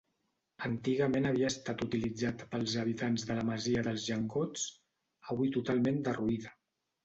Antigament havia estat utilitzat pels habitants de la masia dels Llengots, avui totalment derruïda.